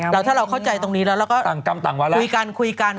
แล้วถ้าเราเข้าใจตรงนี้แล้วก็คุยกัน